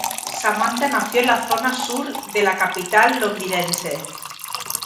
Samantha nació en la zona sur de la capital londinense.